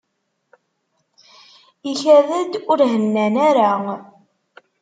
Ikad-d ur hennan ara.